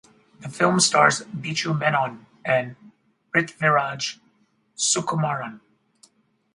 The film stars Biju Menon and Prithviraj Sukumaran.